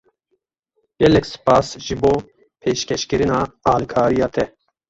Gelek spas ji bo pêşkêşkirina alîkariya te!